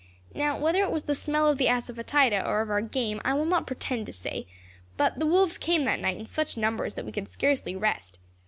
Now, whether it was the smell of the assafoetida or of our game, I will not pretend to say, but the wolves came that night in such numbers that we could scarcely rest.